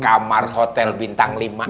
kamar hotel bintang lima